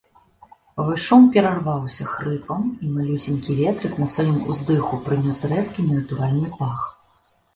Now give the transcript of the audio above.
Вось шум перарваўся хрыпам, і малюсенькі ветрык на сваім уздыху прынёс рэзкі ненатуральны пах.